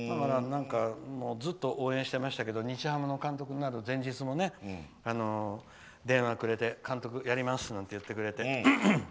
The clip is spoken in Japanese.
ずっと応援してましたけど日ハムの監督になる前日も電話くれて、監督やりますなんて言ってくれて。